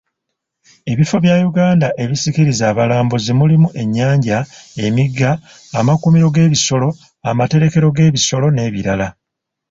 Ebifo bya Uganda ebisikiriza abalambuzi mulimu ennyanja, emigga, amakuumiro g'ebisolo, amaterekero g'ebisolo n'ebirala.